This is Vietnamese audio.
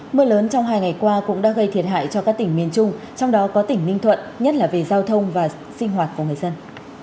mưa lớn trong hai ngày qua cũng đã gây thiệt hại cho các tỉnh miền trung trong đó có tỉnh ninh thuận nhất là về giao thông và sinh hoạt của người dân